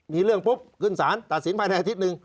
มีเรื่องปุ๊บขึ้นสารตัดสินภายในอาทิตย์หนึ่ง